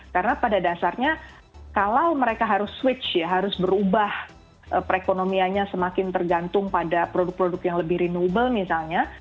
karena pada dasarnya kalau mereka harus switch ya harus berubah perekonomianya semakin tergantung pada produk produk yang lebih renewable misalnya